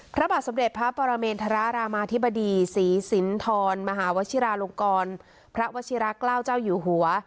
พระบาทสมเด็จพระปรเมนธรารามาธิบดีศรีสินทรมหาวชิราลงกรพระวชิระเกล้าเจ้าอยู่หัว